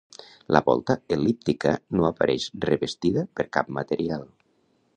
La volta el·líptica no apareix revestida per cap material.